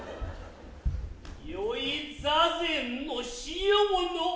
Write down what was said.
よい座禅のしようの。